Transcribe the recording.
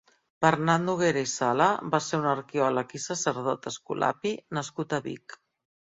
Bernat Noguera i Sala va ser un arqueòleg i sacerdot escolapi nascut a Vic.